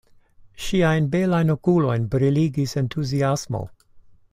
Ŝiajn belajn okulojn briligis entuziasmo.